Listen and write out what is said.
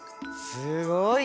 すごい。